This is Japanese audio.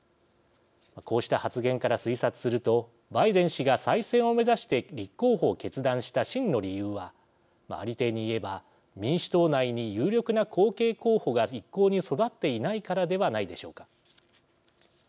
こうした発言から推察するとバイデン氏が再選を目指して立候補を決断した真の理由はありていに言えば民主党内に有力な後継候補が一向に育っていないからではないでしょうか。